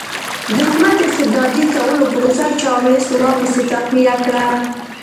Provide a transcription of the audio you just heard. د حکومت استبدادي کولو پروسه چارلېس لا پسې تقویه کړه.